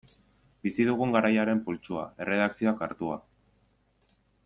Bizi dugun garaiaren pultsua, erredakzioak hartua.